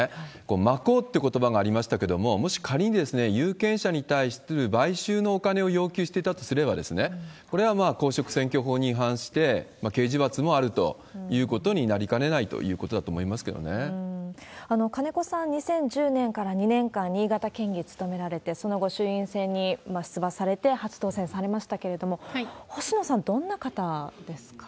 まこうってことばがありましたけれども、もし仮に有権者に対する買収のお金を要求していたとすれば、これは公職選挙法に違反して、刑事罰もあるということになりかねないということになると思いま金子さん、２０１０年から２年間、新潟県議務められて、その後衆院選に出馬されて、初当選されましたけれども、星野さん、どんな方ですか？